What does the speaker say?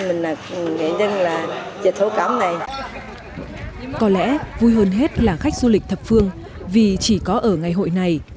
mình là nghệ nhân là dệt thụ cầm này có lẽ vui hơn hết là khách du lịch thập phương vì chỉ có ở ngày hội này